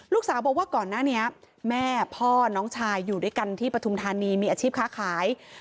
ลูกสาวบอกว่าก่อนหน้านี้แม่พ่อน้องชายอยู่ด้วยกันที่ปฐุมธานีมีอาชีพค้าขาย